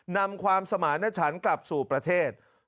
นำความสมารณชันกลับสู่ประเทศ